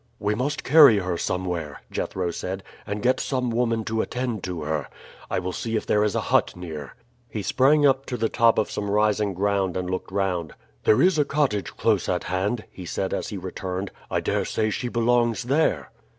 "We must carry her somewhere," Jethro said, "and get some woman to attend to her. I will see if there is a hut near." He sprang up to the top of some rising ground and looked round. "There is a cottage close at hand," he said as he returned. "I dare say she belongs there."